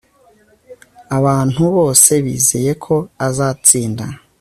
Abantu bose bizeye ko azatsinda